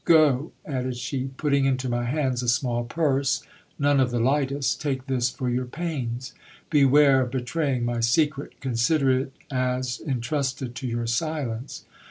Go, added she, putting into my hands a small purse, none of the lightest, take this for your pains. Beware of betraying my secret. Consider it as entrusted to your silence.